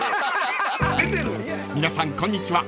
［皆さんこんにちは